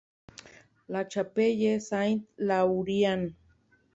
La Chapelle-Saint-Laurian